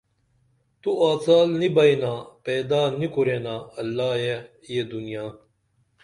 تو آڅال نی بئی نا پیدا نی کُرینا اللہ یے یہ دنیا